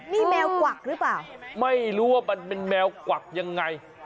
นี่แมวกวักหรือเปล่าไม่รู้ว่ามันเป็นแมวกวักยังไง